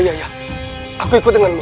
kau harus ikut dengan aku